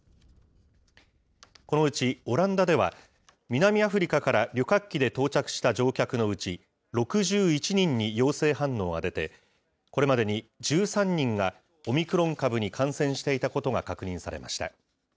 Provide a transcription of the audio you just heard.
このうちオランダでは、南アフリカから旅客機で到着した乗客のうち６１人に陽性反応が出て、これまでに１３人がオミクロン株に感染していたことが確認されました。